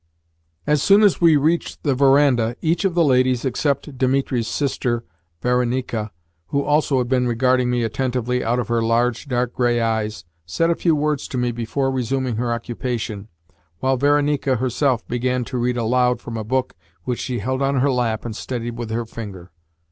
As soon as we reached the verandah, each of the ladies, except Dimitri's sister Varenika who also had been regarding me attentively out of her large, dark grey eyes said a few words to me before resuming her occupation, while Varenika herself began to read aloud from a book which she held on her lap and steadied with her finger.